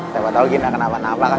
siapa tau gina kena apa apa kan